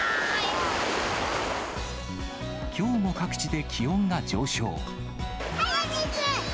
きょうも各地で気温が上昇。